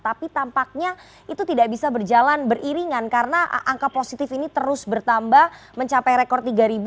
tapi tampaknya itu tidak bisa berjalan beriringan karena angka positif ini terus bertambah mencapai rekor tiga